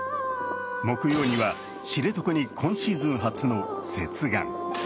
木曜には知床に今シーズン初の接岸。